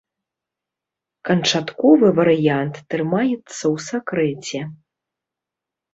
Канчатковы варыянт трымаецца ў сакрэце.